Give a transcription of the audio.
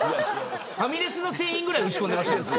ファミレスの店員ぐらい打ち込んでました。